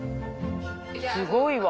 すごいわ。